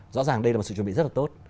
rõ ràng đây là một sự chuẩn bị rất là tốt